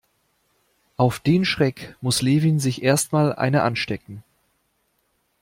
Auf den Schreck muss Levin sich erst mal eine anstecken.